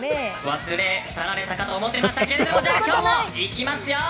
忘れ去られたかと思ってましたけど今日も行きます。